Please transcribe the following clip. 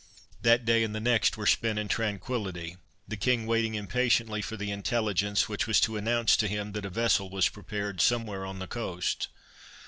That day and the next were spent in tranquillity, the King waiting impatiently for the intelligence, which was to announce to him that a vessel was prepared somewhere on the coast.